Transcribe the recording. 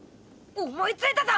思いついたぞ！